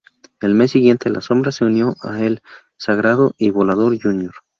El mes siguiente, La Sombra se unió a El Sagrado y Volador, Jr.